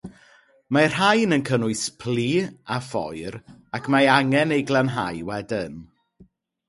Mae'r rhain yn cynnwys plu a phoer ac mae angen eu glanhau wedyn.